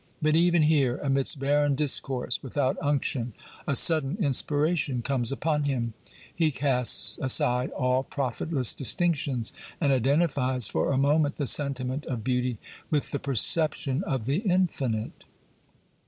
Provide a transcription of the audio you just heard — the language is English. But even here, amidst barren discourse without unction, a sudden inspira tion comes upon him ; he casts aside all profitless distinctions and identifies for a moment the sentiment of beauty with the perception of the Infinite.